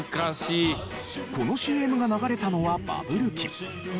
このＣＭが流れたのはバブル期。